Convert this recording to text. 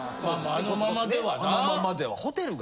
あのままでは。